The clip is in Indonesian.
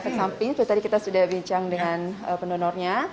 efek samping itu tadi kita sudah bincang dengan pendonornya